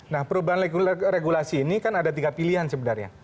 nah perubahan regulasi ini kan ada tiga pilihan sebenarnya